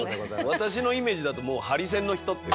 私のイメージだともう「ハリセンの人」っていう。